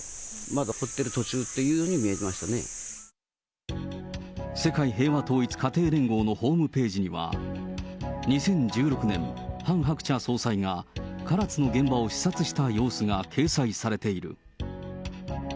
まだ掘ってる途世界平和統一家庭連合のホームページには、２０１６年、ハン・ハクチャ総裁が唐津の現場を視察した様子が掲載されている。